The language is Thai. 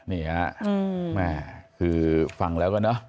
นี่แหละแม่๔๒คือฟังแล้วน้อยเนอะ